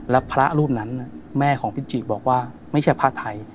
แล้วพระรูปนั้นแม่ของพิจิบอกว่าไม่ใช่ผ้าไทย